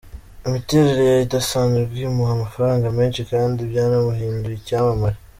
Imiterere ye idasanzwe imuha amafaranga menshi kandi byanamuhinduye icyamamare .